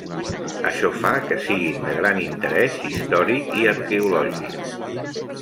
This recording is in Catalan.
Això fa que siguin de gran interès històric i arqueològic.